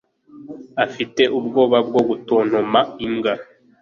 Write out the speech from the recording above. Afite ubwoba bwo gutontoma imbwa.